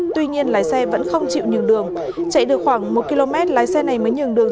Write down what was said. tuy nhiên lái xe vẫn không chịu nhường đường chạy được khoảng một km lái xe này mới nhường đường